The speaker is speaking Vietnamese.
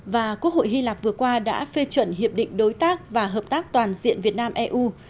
và quốc hội hy lạp vừa qua đã phê chuẩn hiệp định đối tác và hợp tác toàn diện việt nam eu